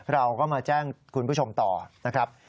เราก็มาแจ้งคุณผู้ชมต่อนะครับ